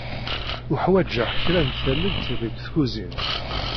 Uḥwaǧeɣ kra n tallelt deg tkuzint.